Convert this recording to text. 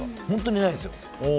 本当にないんですよ。